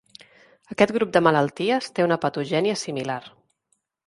Aquest grup de malalties té una patogènia similar.